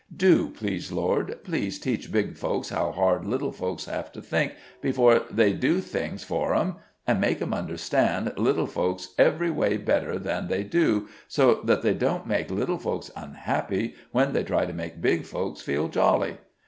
Do, please, Lord please teach big folks how hard little folks have to think before they do things for 'em. An' make 'em understand little folks every way better than they do, so that they don't make little folks unhappy when they try to make big folks feel jolly.